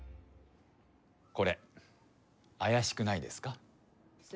これ怪しくないですか？